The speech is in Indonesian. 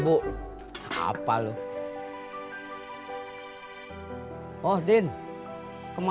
buat siapa p